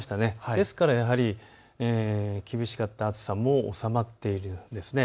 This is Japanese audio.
ですから、厳しかった暑さも収まっているんです。